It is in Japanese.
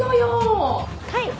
はい。